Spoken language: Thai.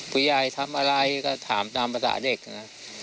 ผู้ใหญ่ทำอะไรก็ถามตามภาษาเด็กนะ